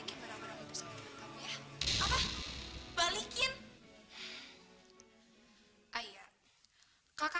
kenapa dengan adik saya pak